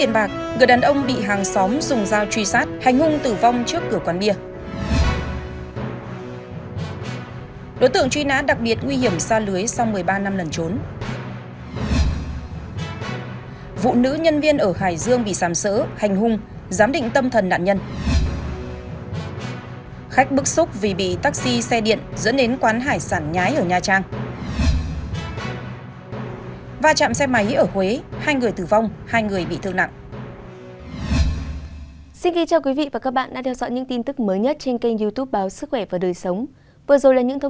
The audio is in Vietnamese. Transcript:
các bạn hãy đăng kí cho kênh lalaschool để không bỏ lỡ những video hấp dẫn